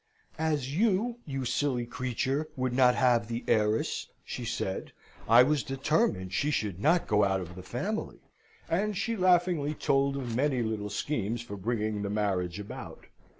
"As you, you silly creature, would not have the heiress," she said, "I was determined she should not go out of the family," and she laughingly told of many little schemes for bringing the marriage about.